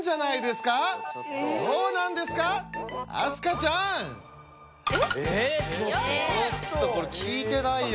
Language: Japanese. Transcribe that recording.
ちょっとこれ聞いてないよ